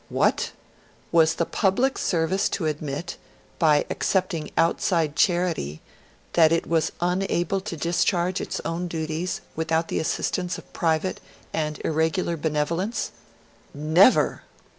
What! Was the public service to admit, by accepting outside charity, that it was unable to discharge its own duties without the assistance of private and irregular benevolence? Never!